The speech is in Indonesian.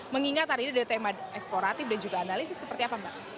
mengingat hari ini ada tema eksploratif dan juga analisis seperti apa mbak